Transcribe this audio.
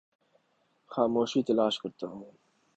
خاموشی تلاش کرتا ہوں